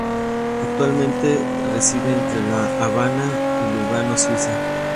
Actualmente reside entre La Habana y Lugano, Suiza